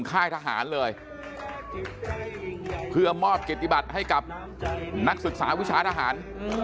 ค่ายทหารเลยเพื่อมอบเกียรติบัติให้กับนักศึกษาวิชาทหาร